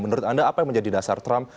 menurut anda apa yang menjadi dasar trump